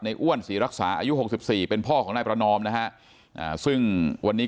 อ้วนศรีรักษาอายุ๖๔เป็นพ่อของนายประนอมนะฮะซึ่งวันนี้